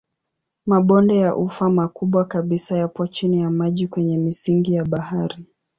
Mabonde ya ufa makubwa kabisa yapo chini ya maji kwenye misingi ya bahari.